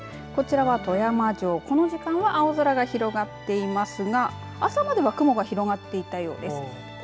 こちらは富山城、この時間は青空が広がっていますが朝までは雲が広がっていたようです。